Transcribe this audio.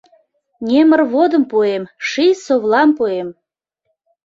Немырводым пуэм, Ший совлам пуэм!